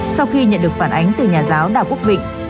sau khi nhận được phản ánh từ nhà giáo đào quốc vịnh